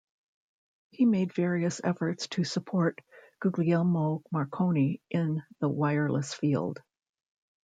He made various efforts to support Guglielmo Marconi in the wireless field.